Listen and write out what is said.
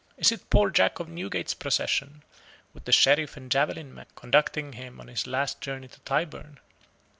Is it poor Jack of Newgate's procession, with the sheriff and javelin men, conducting him on his last journey to Tyburn?